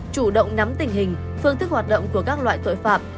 chủ động nắm tình hình phương thức hoạt động của các loại tội phạm